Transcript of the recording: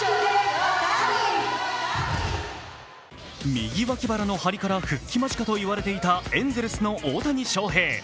右脇腹の張りから復帰間近といわれていたエンゼルスの大谷翔平。